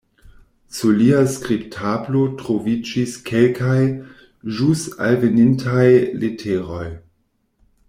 Sur lia skribtablo troviĝis kelkaj, ĵus alvenintaj leteroj.